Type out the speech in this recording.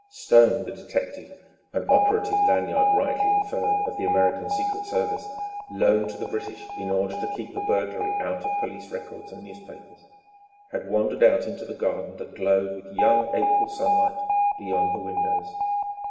Stone, the detective (an operative, Lanyard rightly inferred, of the American Secret Service, loaned to the British in order to keep the burglary out of police records and newspapers), had wandered out into the garden that glowed with young April sunlight beyond the windows.